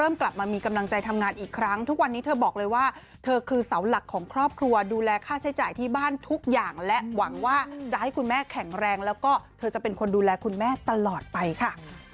กลับมามีกำลังใจทำงานอีกครั้งทุกวันนี้เธอบอกเลยว่าเธอคือเสาหลักของครอบครัวดูแลค่าใช้จ่ายที่บ้านทุกอย่างและหวังว่าจะให้คุณแม่แข็งแรงแล้วก็เธอจะเป็นคนดูแลคุณแม่ตลอดไปค่ะ